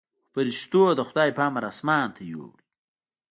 خو پرښتو د خداى په امر اسمان ته يووړ.